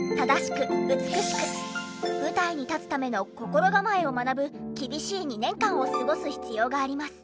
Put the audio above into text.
舞台に立つための心構えを学ぶ厳しい２年間を過ごす必要があります。